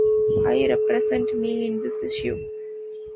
I represent me in this issue.